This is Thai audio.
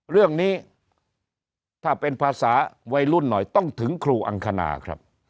เรื่องนี้ถ้าเป็นภาษาวัยรุ่นหน่อยต้องถึงครูอังคณาครับ